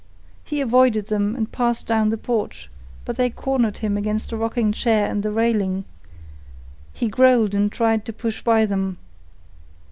He avoided them and passed down the porch, but they cornered him against a rocking chair and the railing. He growled and tried to push by them.